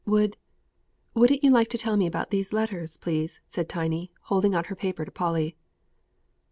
"Would wouldn't you like to tell me about these letters, please?" said Tiny, holding out her paper to Polly.